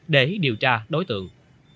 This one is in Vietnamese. để điều tra đối tượng